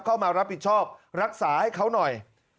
เข้ามารับผิดชอบรักษาให้เขาหน่อย